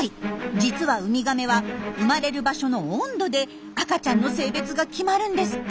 実はウミガメは生まれる場所の温度で赤ちゃんの性別が決まるんですって。